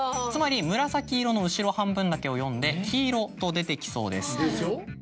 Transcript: つまり「むらさきいろ」の後ろ半分だけを読んで「きいろ」と出てきそうです。